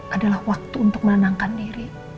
adalah waktu untuk menenangkan diri